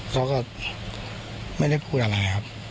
เขาก็ไม่ได้พูดอะไรครับ